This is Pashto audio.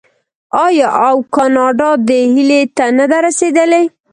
آیا او کاناډا دې هیلې ته نه ده رسیدلې؟